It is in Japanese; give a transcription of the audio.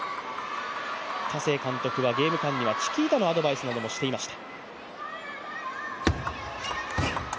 田勢監督は、ゲーム間にはチキータのアドバイスもしていました。